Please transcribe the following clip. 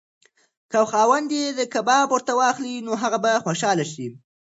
که خاوند یې کباب ورته واخلي نو هغه به خوشحاله شي.